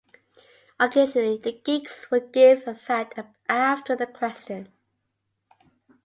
Occasionally, the geeks would give a fact after the question.